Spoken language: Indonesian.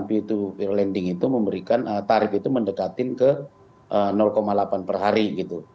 pending itu memberikan tarif itu mendekatin ke delapan per hari gitu